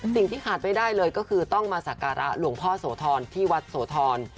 สิ่งที่ขาดไม่ได้เลยก็คือต้องมาสักการะหลวงพ่อโสธรที่วัดโสธร